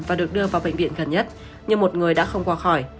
và được đưa vào bệnh viện gần nhất nhưng một người đã không qua khỏi